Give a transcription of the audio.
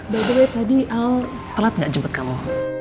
by the way tadi al telat gak jemput kamu